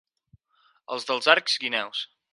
Els dels Arcs, guineus.